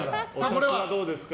これはどうですか？